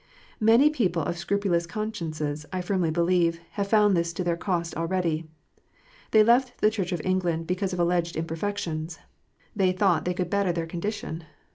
Many people of scrupulous consciences, I firmly believe, have found this to their cost already. They left the Church of England because of alleged imperfections. They thought they could better their condition.